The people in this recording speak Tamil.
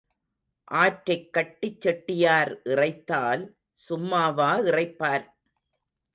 ஆற்றைக் கட்டிச் செட்டியார் இறைத்தால் சும்மாவா இறைப்பார்?